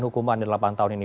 hukuman delapan tahun ini